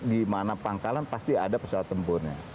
untuk gimana pangkalan pasti ada pesawat tempurnya